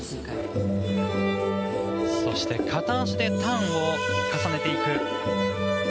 そして片足でターンを重ねていく。